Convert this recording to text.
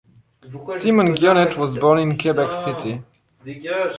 Simon Gionet was born in Quebec City.